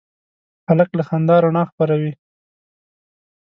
هلک له خندا رڼا خپروي.